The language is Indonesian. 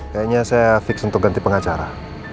kayaknya saya fix untuk ganti pengacara